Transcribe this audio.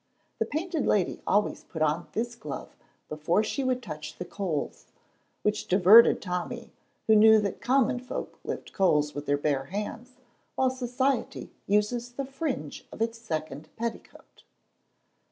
The Painted Lady always put on this glove before she would touch the coals, which diverted Tommy, who knew that common folk lift coals with their bare hands while society uses the fringe of its second petticoat.